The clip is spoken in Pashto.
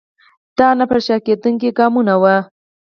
دا نه پر شا کېدونکي ګامونه وو.